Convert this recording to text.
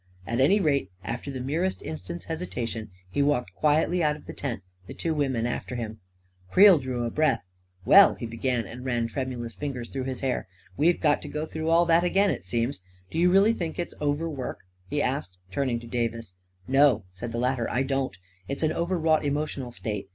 At any rate, after the merest instant's hesitation, he walked quietly out of the tent, the two women after him. 303 304 A KING IN BABYLON Creel drew a deep breath. " Well !" he began, and ran tremulous fingers through his hair. " We've got to go through all that again, it seems! Do you really think it is overwork? " he asked, turning to Davis. " No," said the latter, " I don't It's an over wrought emotional state.